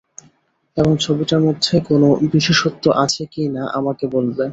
এবং ছবিটার মধ্যে কোনো বিশেষত্ব আছে কি না আমাকে বলবে।